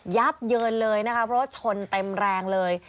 ับเยินเลยนะคะเพราะว่าชนเต็มแรงเลย